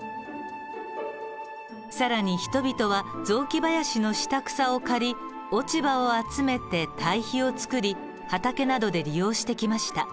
更に人々は雑木林の下草を刈り落ち葉を集めて堆肥を作り畑などで利用してきました。